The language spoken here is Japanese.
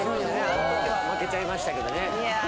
負けちゃいましたけどね。